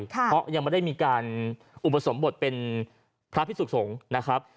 เพราะยังไม่ได้มีการอุปสมบทเป็นพระพิสุขสงฆ์นะครับ